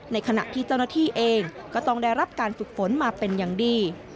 ในขณะที่เจ้าหน้าที่เองก็ต้องได้รับการฝึกฝนมาเป็นอย่างดี